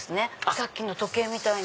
さっきの時計みたいに。